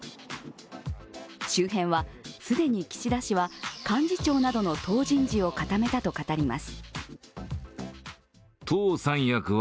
周辺は、既に岸田氏は幹事長などの党人事を固めたと語ります。